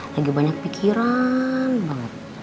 lagi banyak pikiran banget